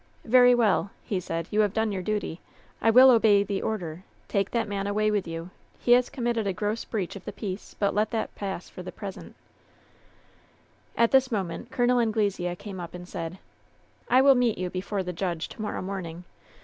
"Very well," he said. "You have done your duty. I will obey the order. Take that man away with you. Ho has committed a gross breach of the peace ; but let that pass for the present." 94 LOVE'S BITTEREST CUP At this moment Col. Anglesea came up and said : "I will meet you before the judge to morrow morn ing.